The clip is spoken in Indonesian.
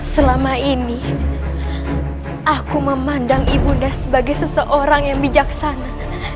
selama ini aku memandang ibunda sebagai seseorang yang bijaksana